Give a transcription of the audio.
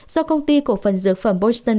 do công ty cổ phần dược phẩm boston